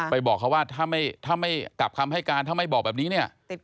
บอกเขาว่าถ้าไม่กลับคำให้การถ้าไม่บอกแบบนี้เนี่ย